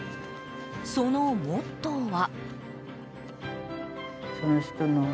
そのモットーは。